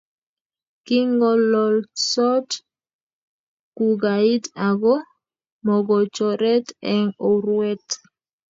Kingololsot kugait ago mogochoret eng urwet